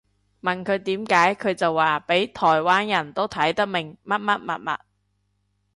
問佢點解佢就話畀台灣人都睇得明乜乜物物